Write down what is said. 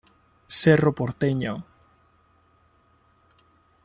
Cerro Porteño